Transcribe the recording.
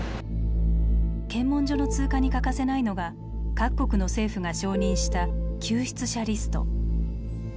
検問所の通過に欠かせないのが各国の政府が承認した救出者リスト。